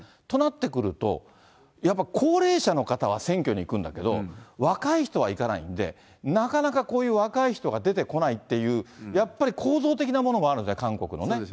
となってくると、やっぱ高齢者の方は選挙に行くんだけども、若い人は行かないんで、なかなかこういう若い人が出てこないっていう、やっぱり構造的なものもあるんですよね、韓国のね。